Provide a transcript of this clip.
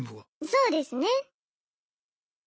そうですね。